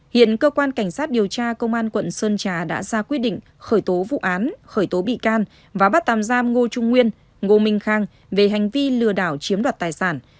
hiện cơ quan cảnh sát điều tra công an quận sơn trà đã ra quyết định khởi tố vụ án khởi tố bị can và bắt tạm giam ngô trung nguyên ngô minh khang về hành vi lừa đảo chiếm đoạt tài sản